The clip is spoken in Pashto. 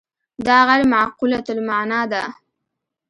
دا غیر معقولة المعنی ده.